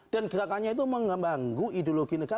dan gerakannya itu mengganggu ideologi negara